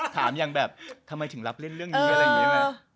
ถามอย่างแบบทำไมถึงรับเล่นเรื่องนี้อะไรอย่างนี้นะ